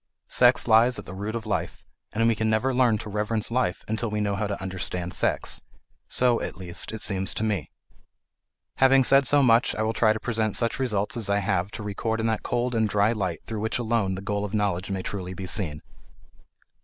Sex lies at the root of life, and we can never learn to reverence life until we know how to understand sex. So, at least, it seems to me. Having said so much, I will try to present such results as I have to record in that cold and dry light through which alone the goal of knowledge may truly be seen.